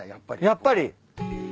やっぱり？